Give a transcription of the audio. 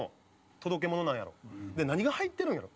「何が入ってるんやろ？」